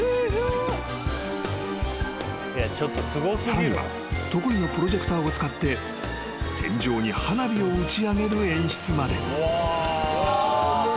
［さらには得意のプロジェクターを使って天井に花火を打ち上げる演出まで］